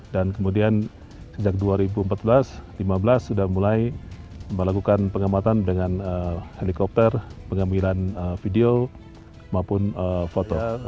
dan kemudian sejak dua ribu empat belas dua ribu lima belas sudah mulai melakukan pengamatan dengan helikopter pengambilan video maupun foto